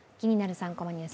３コマニュース」